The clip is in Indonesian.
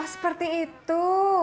oh seperti itu